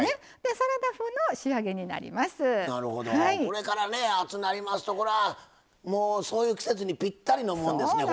これからね暑うなりますとこれはもうそういう季節にぴったりのもんですねこれね。